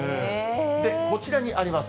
こちらにあります